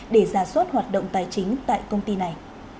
để ra soát hoạt động tài chính tại công ty này